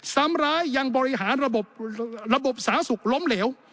ทำร้ายยังบริหารระบบสาศุกร์ล้มเหลว